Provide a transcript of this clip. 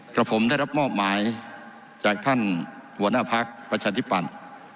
กับผมได้รับมอบหมายจากท่านหัวหน้าพักประชาธิปัตย์